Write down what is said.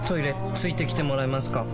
付いてきてもらえますか？